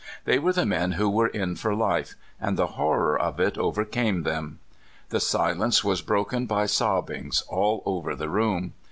They were the men who were in for life, and the horror of it overcame them. The silence w^as broken by sobbings all over the room.